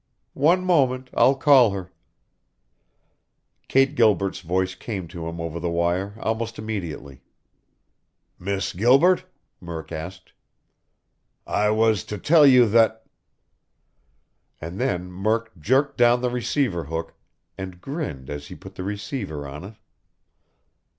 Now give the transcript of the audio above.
"One moment. I'll call her." Kate Gilbert's voice came to him over the wire almost immediately. "Miss Gilbert?" Murk asked. "I was to tell you that " And then Murk jerked down the receiver hook, and grinned as he put the receiver on it.